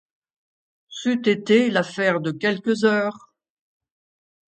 C’eût été l’affaire de quelques heures.